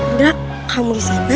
indra kamu disana